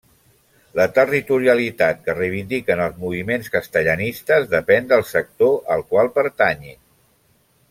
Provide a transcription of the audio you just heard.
La territorialitat que reivindiquen els moviments castellanistes depèn del sector al qual pertanyin.